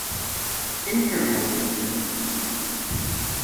In here, my dear sir.